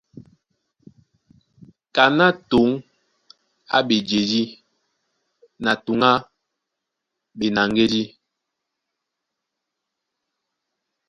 Kaná tǔŋ á ɓejedí na tǔŋ á ɓenaŋgédí.